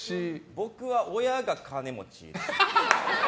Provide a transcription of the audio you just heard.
僕は親が金持ち。